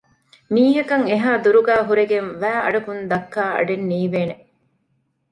މީހަކަށް އެހާ ދުރުގައި ހުރެގެން ވައިއަޑުން ވާހަކަ ދައްކާ އަޑެއް ނީވޭނެ